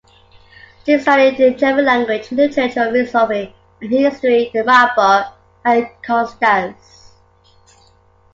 Seel studied German language and literature, philosophy and history in Marburg and Konstanz.